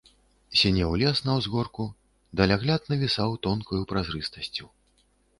Сінеў лес на ўзгорку, далягляд навісаў тонкаю празрыстасцю.